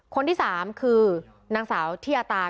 คนที่๓คือนางสาวที่ยาตา